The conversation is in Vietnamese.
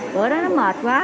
bữa đó nó mệt quá